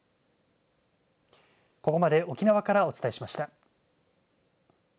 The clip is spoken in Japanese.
ここまで沖縄からお伝えしました。